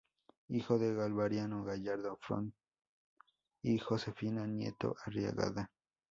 Hijo de Galvarino Gallardo Font y Josefina Nieto Arriagada.